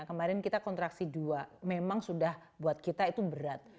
kemarin kita kontraksi dua memang sudah buat kita itu berat